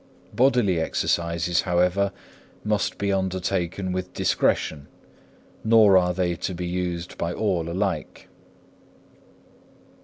Bodily exercises, however, must be undertaken with discretion, nor are they to be used by all alike.